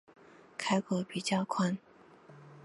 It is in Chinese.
开口比较宽